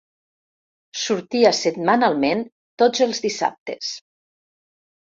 Sortia setmanalment tots els dissabtes.